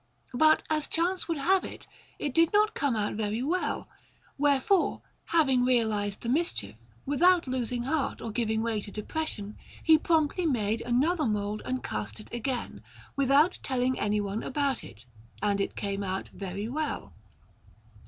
But, as chance would have it, it did not come out well; wherefore, having realized the mischief, without losing heart or giving way to depression, he promptly made another mould and cast it again, without telling anyone about it, and it came out very well.